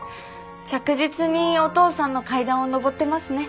着実にお父さんの階段を上ってますね。